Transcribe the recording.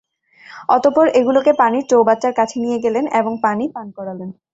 অতঃপর এগুলোকে পানির চৌবাচ্চার কাছে নিয়ে গেলেন এবং পানি পান করালেন।